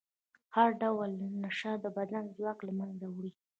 هر ډول نشه د بدن ځواک له منځه وړي.